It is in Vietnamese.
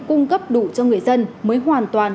cung cấp đủ cho người dân mới hoàn toàn